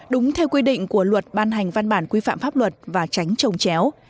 đúng theo quy định của luật ban hành văn bản quy phạm pháp luật và tránh trồng chéo